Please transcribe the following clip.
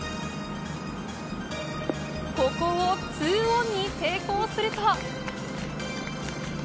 ここを２オンに成功すると。